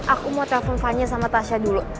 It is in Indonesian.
aku mau telfon fania sama tasya dulu